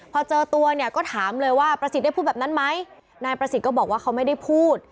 พอเจอตัวเนี่ยก็ถามเลยว่าประสิทธิ์ได้พูดแบบนั้นไหมนายประสิทธิ์ก็บอกว่าเขาไม่ได้พูด